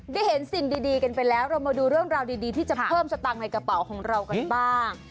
ได้เห็นสิ่งดีกันไปแล้วเรามาดูเรื่องราวดีที่จะเพิ่มสตางค์ในกระเป๋าของเรากันบ้าง